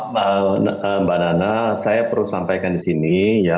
mbak nana saya perlu sampaikan di sini ya